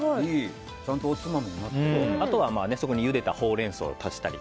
ちゃんとおつまみになってあとは、そこにゆでたホウレンソウを足したり